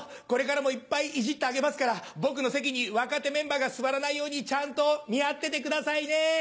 これからもいっぱいイジってあげますから僕の席に若手メンバーが座らないようにちゃんと見張っててくださいね！